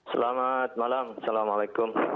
selamat malam assalamualaikum